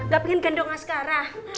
gak pengen gendong askara